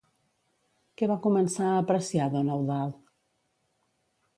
Què va començar a apreciar don Eudald?